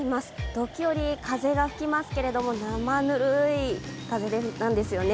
時折、風が吹きますけれど、生ぬるい風なんですよね。